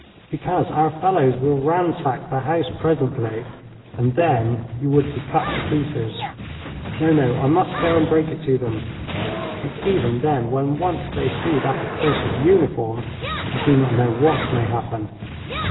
'Because our fellows will ransack the house presently, and then you would be cut to pieces. No, no, I must go and break it to them. But even then, when once they see that accursed uniform, I do not know what may happen.'